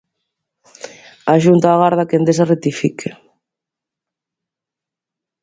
A Xunta agarda que Endesa rectifique.